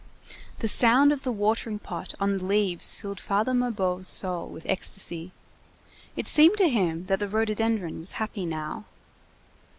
The sound of the watering pot on the leaves filled Father Mabeuf's soul with ecstasy. It seemed to him that the rhododendron was happy now.